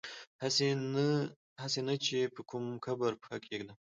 هسي نه چي په کوم قبر پښه کیږدم